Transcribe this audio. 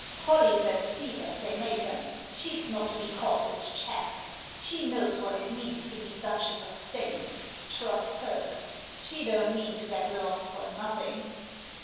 Polly's as deep as they make 'em; she's not to be caught with chaff; she knows what it means to be Duchess of Staines — trust her ! She don't mean to get lost for nothing